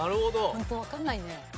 ホントわからないね。